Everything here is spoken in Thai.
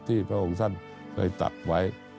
ที่พระองค์สั้นเคยตัดไว้